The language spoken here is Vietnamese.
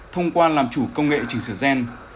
thông qua làm chủ công nghệ trình sửa gen